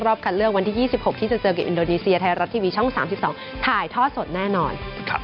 คัดเลือกวันที่๒๖ที่จะเจอกับอินโดนีเซียไทยรัฐทีวีช่อง๓๒ถ่ายทอดสดแน่นอน